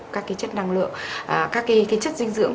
các chất dinh dưỡng